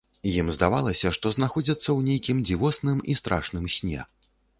Ім здавалася, што знаходзяцца ў нейкім дзівосным і страшным сне.